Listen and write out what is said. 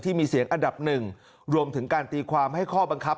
ที่มีเสียงอันดับหนึ่งรวมถึงการตีความให้ข้อบังคับ